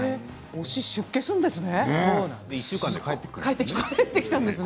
推しが出家するんですね。